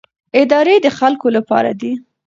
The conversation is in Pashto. ادارې د خلکو لپاره دي